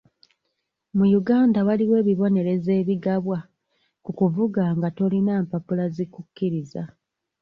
Mu Uganda waliwo ebibonerezo ebigabwa ku kuvuga nga tolina mpapula zikukkiriza.